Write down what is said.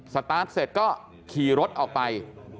สตาร์ทเสร็จก็ขี่รถออกไป